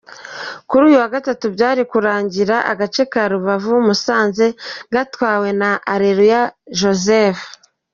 Kuri uyu wa Gatatu, byaje kurangira agace ka Rubavu-Musanze gatwawe na Areruya Joseph.